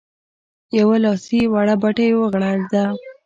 يوه لاسي وړه بتۍ ورغړېده.